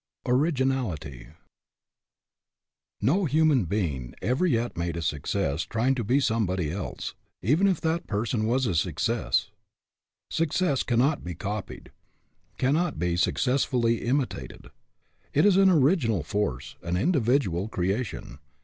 ORIGINALITY O human being ever yet made a suc cess trying to be somebody else, even if that person was a success. Success cannot be copied cannot be successfully imitated. It is an original force an individual creation.